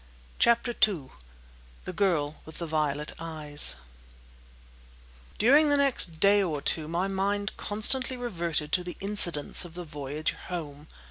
CHAPTER II THE GIRL WITH THE VIOLET EYES During the next day or two my mind constantly reverted to the incidents of the voyage home.